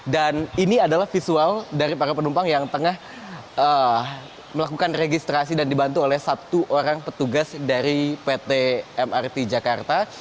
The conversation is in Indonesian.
dan ini adalah visual dari para penumpang yang tengah melakukan registrasi dan dibantu oleh satu orang petugas dari pt mrt jakarta